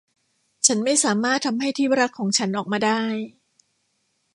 ฉันไม่สามารถทำให้ที่รักของฉันออกมาได้